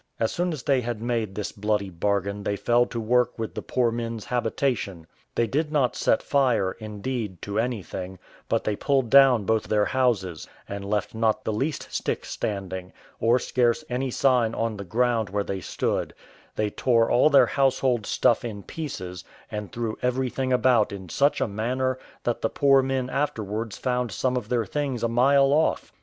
As soon as they had made this bloody bargain they fell to work with the poor men's habitation; they did not set fire, indeed, to anything, but they pulled down both their houses, and left not the least stick standing, or scarce any sign on the ground where they stood; they tore all their household stuff in pieces, and threw everything about in such a manner, that the poor men afterwards found some of their things a mile off.